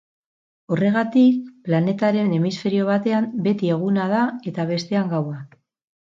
Horregatik planetaren hemisferio batean beti eguna da eta bestean gaua.